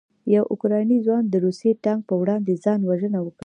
یو اوکراني ځوان د روسي ټانک په وړاندې ځان وژنه وکړه.